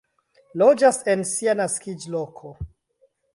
Loĝas en sia naskiĝloko.